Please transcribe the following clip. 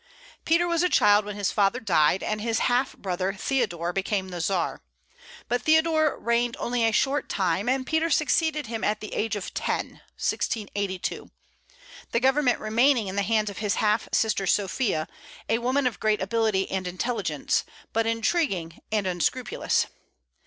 Peter was a child when his father died, and his half brother Theodore became the Czar. But Theodore reigned only a short time, and Peter succeeded him at the age of ten (1682), the government remaining in the hands of his half sister, Sophia, a woman of great ability and intelligence, but intriguing and unscrupulous.